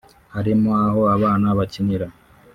harimo aho abana bakinira